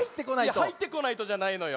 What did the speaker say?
いや「はいってこないと」じゃないのよ。